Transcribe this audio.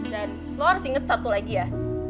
dan lo harus inget satu lagi ya